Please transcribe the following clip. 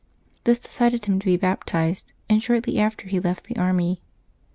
This decided him to be baptized, and shortly after he left the army.